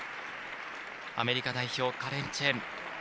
アメリカ代表、カレン・チェン。